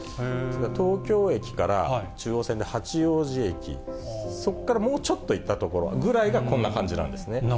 東京駅から中央線で八王子駅、そこからもうちょっと行った所ぐらいが、こんな感じなんですね。